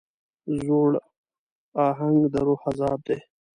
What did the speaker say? زوړ اهنګ د روح عذاب دی.